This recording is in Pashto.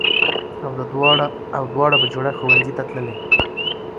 او دواړه بهجوړه ښوونځي ته تللې